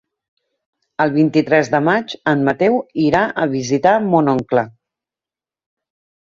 El vint-i-tres de maig en Mateu irà a visitar mon oncle.